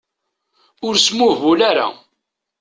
Ur smuhbul ara.